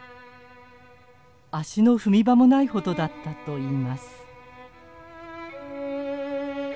足の踏み場もないほどだったといいます。